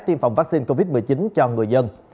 tiêm phòng vaccine covid một mươi chín cho người dân